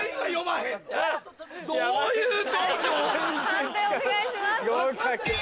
判定お願いします。